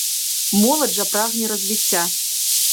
Моладзь жа прагне развіцця.